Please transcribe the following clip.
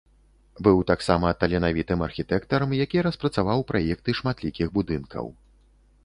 Быў таксама таленавітым архітэктарам, які распрацаваў праекты шматлікіх будынкаў.